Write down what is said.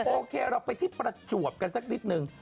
โอเคเราไปที่ประจวบกันสักนิดนึง